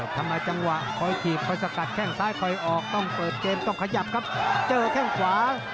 ทำไมจังหวะคอยถีบคอยสกัดแข้งซ้ายคอยออกต้องเปิดเกมต้องขยับครับเจอแข้งขวา